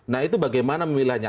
nah itu bagaimana memilihnya